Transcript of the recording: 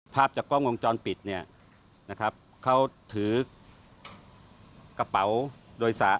ภาพจากกล้องวงจรปิดเนี่ยนะครับเขาถือกระเป๋าโดยสาร